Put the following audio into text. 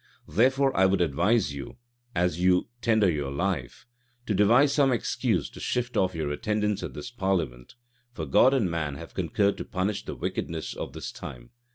Therefore I would advise you, as you tender your life, to devise some excuse to shift off your attendance at this parliament For God and man have concurred to punish the wickedness of this time.